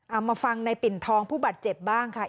เอามาฟังในปิ่นทองผู้บาดเจ็บบ้างค่ะ